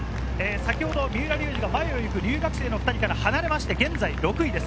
先ほど三浦龍司が前を行く留学生の２人から離れて現在６位です。